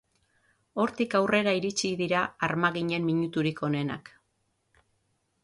Hortik aurrera iritsi dira armaginen minuturik onenak.